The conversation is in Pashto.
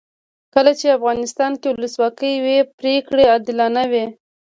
کله چې افغانستان کې ولسواکي وي پرېکړې عادلانه وي.